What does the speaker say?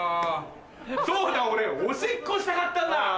そうだ俺おしっこしたかったんだ。